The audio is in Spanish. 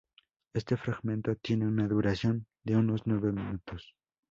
Este fragmento tiene una duración de unos nueve minutos.